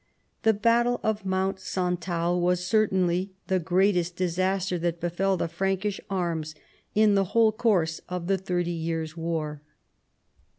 The battle of Mount Suutal was certainly the greatest disaster that befell the Frankish arms in the whole course of the Thirty Years' War.